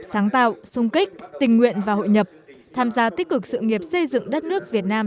sáng tạo sung kích tình nguyện và hội nhập tham gia tích cực sự nghiệp xây dựng đất nước việt nam